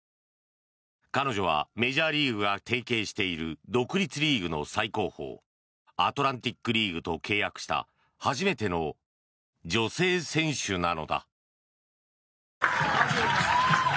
彼女はメジャーリーグが提携している独立リーグの最高峰アトランティック・リーグと契約した初めての女性選手なのだ。